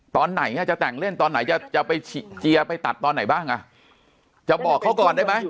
ตอนไหนจะแต่งเล่นตอนไหนจะไปเจียร์ไปตัดตอนไหนบ้างอ่ะจะบอกเขาก่อนได้ไหม